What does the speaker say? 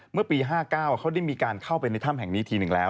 เมื่อปี๕๙เขาได้มีการเข้าไปในถ้ำแห่งนี้ทีหนึ่งแล้ว